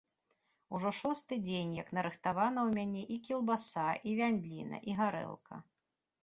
Ужо шосты дзень, як нарыхтавана ў мяне і кілбаса, і вяндліна, і гарэлка.